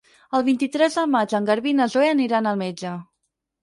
El vint-i-tres de maig en Garbí i na Zoè aniran al metge.